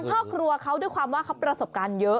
พ่อครัวเขาด้วยความว่าเขาประสบการณ์เยอะ